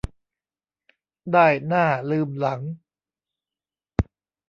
ได้หน้าลืมหลัง